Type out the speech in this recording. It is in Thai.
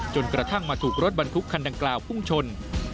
กระทั่งมาถูกรถบรรทุกคันดังกล่าวพุ่งชน